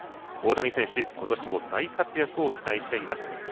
大谷選手、今年も大活躍を期待しています。